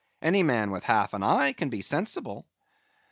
any man with half an eye can be sensible."